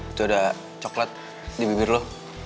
itu ada coklat di bibir loh